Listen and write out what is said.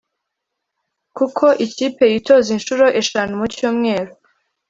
kuko ikipe yitoza inshuro eshanu mu cyumweru